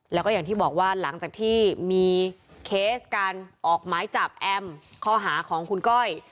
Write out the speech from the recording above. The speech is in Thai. แล้วก็อย่างที่บอกว่าหลังจากที่มีเคสการออกหมายจับแอมข้อหาของคุณก้อย